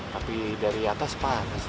tapi dari atas panas